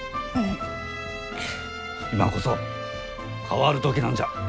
今こそ変わる時なんじゃ。